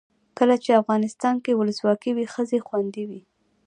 کله چې افغانستان کې ولسواکي وي ښځې خوندي وي.